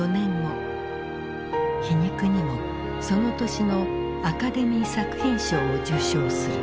皮肉にもその年のアカデミー作品賞を受賞する。